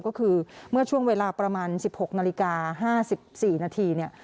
ก็คือเมื่อช่วงเวลาประมาณ๑๖นาฬิกา๕๔นาทีเนี่ย